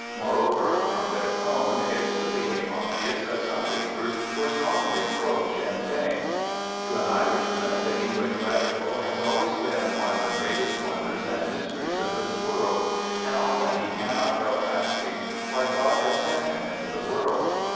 Moreover, from their tone, it soon became obvious that some papers were strongly pro Sinn Fein. To an Irishman the English Radical has always been one of the greatest wonders and mysteries of this world; and often he cannot help asking why God has sent him into this world.